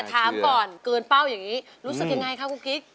ถามก่อนเกินเป้าอย่างนี้รู้สึกยังไงคะคุณกิ๊ก